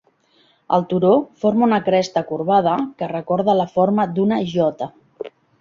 El turó forma una cresta corbada, que recorda la forma d'una "J".